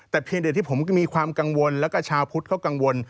แต่เพียงเดี๋ยวที่ผมมีความกังวลแล้วก็ชาวพุทธเขากังวล